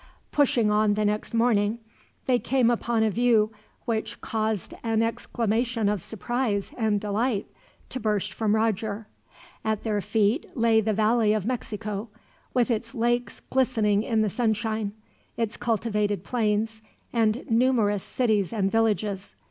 Pushing on the next morning, they came upon a view which caused an exclamation of surprise, and delight, to burst from Roger. At their feet lay the valley of Mexico, with its lakes glistening in the sunshine, its cultivated plains, and numerous cities and villages.